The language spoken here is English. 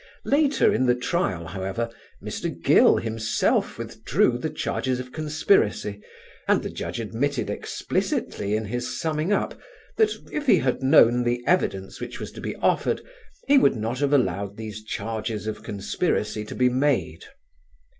Later in the trial, however, Mr. Gill himself withdrew the charges of conspiracy, and the Judge admitted explicitly in his summing up that, if he had known the evidence which was to be offered, he would not have allowed these charges of conspiracy to be made.